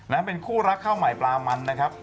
เป็นคู่รักข้าวใหม่ปลามันนะครับ